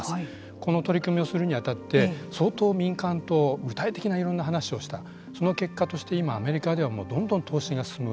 この取り組みをするに当たって相当、民間と具体的ないろんな話をしたその結果として今、アメリカではどんどん投資が進む。